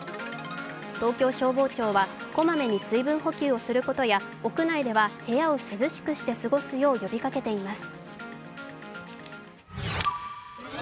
東京消防庁は、小まめに水分補給することや屋内では部屋を涼しくして過ごすよう呼びかけています。